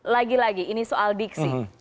lagi lagi ini soal diksi